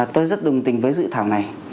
tôi rất đồng tình với dự thảo này